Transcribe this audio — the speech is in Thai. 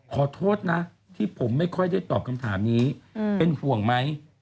ขอโทษนะที่ผมไม่ค่อยได้ตอบคำถามนี้เป็นห่วงไหม